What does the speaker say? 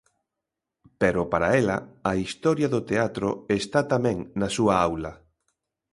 Pero para ela, a historia do teatro está tamén na súa aula.